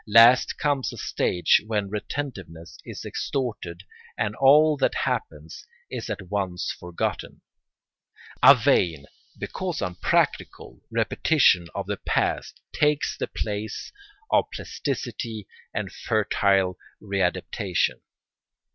Last comes a stage when retentiveness is exhausted and all that happens is at once forgotten; a vain, because unpractical, repetition of the past takes the place of plasticity and fertile readaptation.